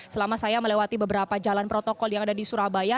selama saya melewati beberapa jalan protokol yang ada di surabaya